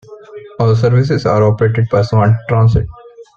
All services are operated by Swan Transit.